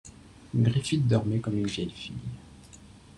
Griffith dormait comme une vieille fille.